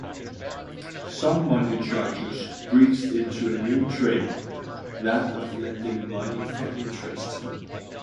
Some money-changers branched into a new trade, that of lending money for interest.